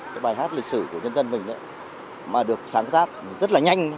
cái bài hát lịch sử của nhân dân mình mà được sáng tác rất là nhanh